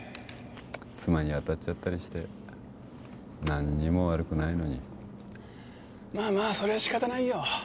妻に当たっちゃったりして何にも悪くないのにまあまあそれは仕方ないよ